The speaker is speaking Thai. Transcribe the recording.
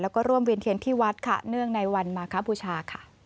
และร่วมเวียนเทียนที่วัดเนื่องในวันมาคะพูชา